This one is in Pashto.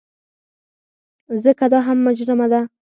ځکه دا هم مجرمه ده.